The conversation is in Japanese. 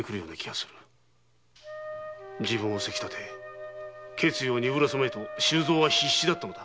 自分をせきたてて決意を鈍らせまいと周蔵は必死だったのだ。